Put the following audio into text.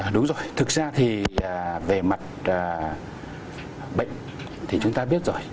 đúng rồi thực ra thì về mặt bệnh thì chúng ta biết rồi